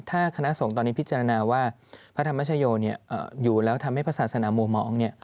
ถ้าคณะสงฆ์ตอนนี้พิจารณาว่าพระธรรมชโยอยู่แล้วทำให้พระศาสนามัวมอง